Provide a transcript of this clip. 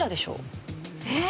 えっ？